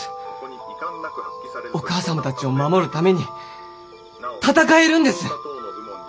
お母様たちを守るために戦えるんです！